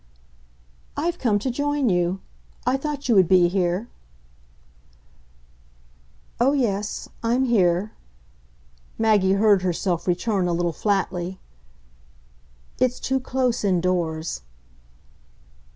"I've come to join you I thought you would be here." "Oh yes, I'm here," Maggie heard herself return a little flatly. "It's too close in doors."